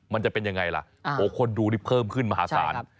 มันจะเป็นยังไงล่ะโอ้คนดูนี่เพิ่มขึ้นมหาศาล